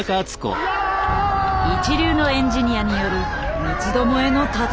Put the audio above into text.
一流のエンジニアによる三つどもえの戦い。